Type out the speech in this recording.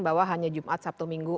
bahwa hanya jumat sabtu minggu